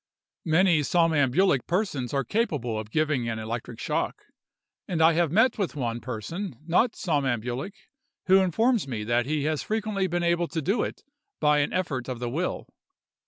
Many somnambulic persons are capable of giving an electric shock; and I have met with one person, not somnambulic, who informs me that he has frequently been able to do it by an effort of the will.